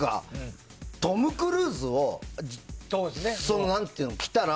トム・クルーズが来たら